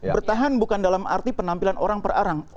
bertahan bukan dalam arti penampilan orang per arang